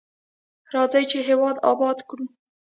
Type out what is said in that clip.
راځئ چې هیواد اباد کړو.